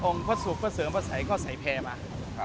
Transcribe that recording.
พระศุกร์พระเสริมพระสัยก็ใส่แพร่มา